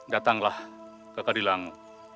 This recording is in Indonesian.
datanglah ke kadilangu